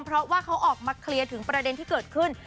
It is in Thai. เพราะว่าเขาออกมาเคลียร์ถึงประเด็นที่เกิดขึ้น